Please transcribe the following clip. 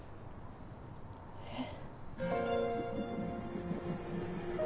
えっ？